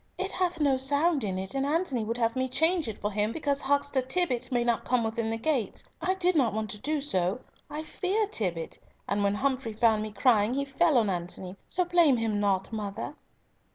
"It hath no sound in it, and Antony would have me change it for him, because Huckster Tibbott may not come within the gates. I did not want to do so; I fear Tibbott, and when Humfrey found me crying he fell on Antony. So blame him not, mother."